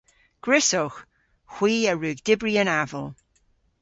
Gwrussowgh. Hwi a wrug dybri an aval.